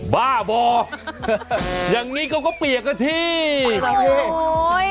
บ้าบออย่างนี้ก็เปียกอาทิตย์